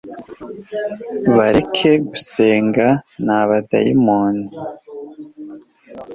bareke gusenga nabadayimoni